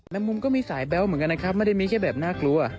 มุมก็มีสายแบ๊วเหมือนกันนะครับไม่ได้มีแค่แบบน่ากลัว